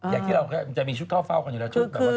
อย่างที่เราจะมีชุดเข้าเฝ้ากันอยู่แล้วชุดแบบว่า